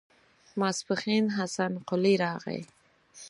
ماسپښين حسن قلي راغی.